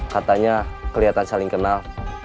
katanya kelihatan saling kenal